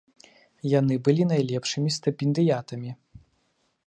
Яны былі найлепшымі стыпендыятамі.